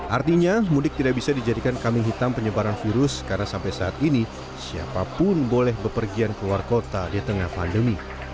artinya mudik tidak bisa dijadikan kaming hitam penyebaran virus karena sampai saat ini siapapun boleh berpergian keluar kota di tengah pandemi